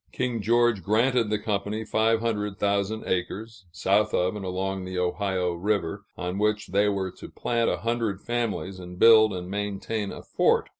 King George granted the company five hundred thousand acres, south of and along the Ohio River, on which they were to plant a hundred families and build and maintain a fort.